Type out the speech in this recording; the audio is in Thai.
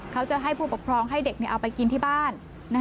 เขาจะให้ผู้ปกครองให้เด็กเอาไปกินที่บ้าน